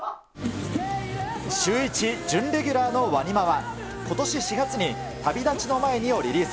シューイチ準レギュラーのＷＡＮＩＭＡは、ことし４月に旅立ちの前にをリリース。